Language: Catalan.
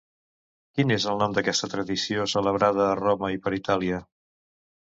Quin és el nom d'aquesta tradició celebrada a Roma i per Itàlia?